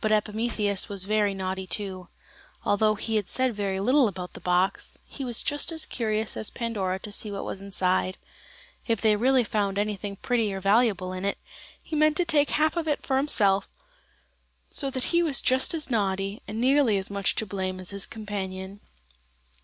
But Epimetheus was very naughty too. Although he had said very little about the box, he was just as curious as Pandora was to see what was inside: if they really found anything pretty or valuable in it, he meant to take half of it for himself; so that he was just as naughty, and nearly as much to blame as his companion.